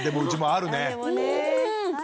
あるね。